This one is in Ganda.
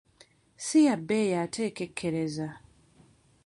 Si ya bbeyi ate ekekereza.